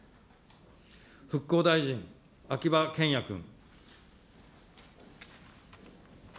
復興大臣、秋葉賢也君。